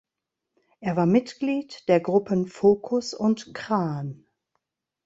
Er war Mitglied der Gruppen Focus und Kraan.